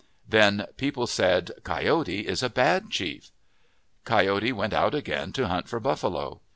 Then the people said, " Coyote is a bad chief." Coyote went out again to hunt for buffalo.